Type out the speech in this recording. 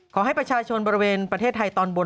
ขอให้ประชาชนบริเวณประเทศไทยตอนบน